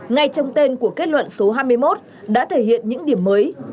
ngay trong tên của kết luận số hai mươi một đã thể hiện những điểm mới